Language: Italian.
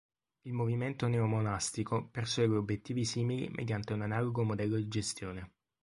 Il Movimento Neo-Monastico persegue obbiettivi simili mediante un analogo modello di gestione.